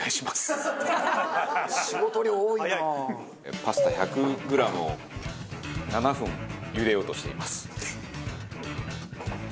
パスタ１００グラムを７分茹でようとしています。